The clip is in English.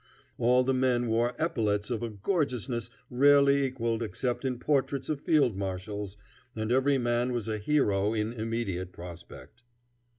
All the men wore epaulets of a gorgeousness rarely equaled except in portraits of field marshals, and every man was a hero in immediate prospect.